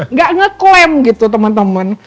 nggak ngeklaim gitu temen temen